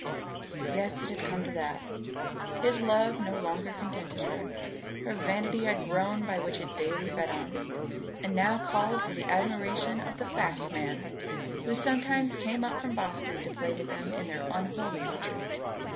Yes, it had come to that. His love no longer contented her. Her vanity had grown by what it daily fed on, and now called for the admiration of the fast men who sometimes came up from Boston to play with them in their unholy retreat.